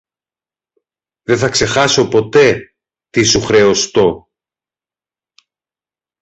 Δε θα ξεχάσω ποτέ τι σου χρεωστώ.